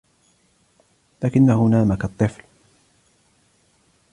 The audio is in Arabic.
لكنه نام كالطفل.